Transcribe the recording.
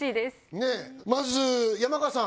ねぇまず山川さん